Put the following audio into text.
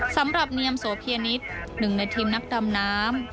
สำหรับเนียมโสเพียนิตหนึ่งในทีมนักดำน้ำ